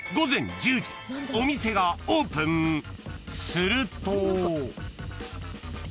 ［すると］